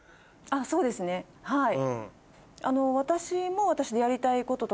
そうですねはい。